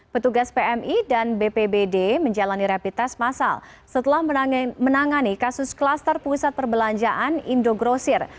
petugas pmi dan bpbd menjalani rapid test masal setelah menangani kasus klaster pusat perbelanjaan indogrosir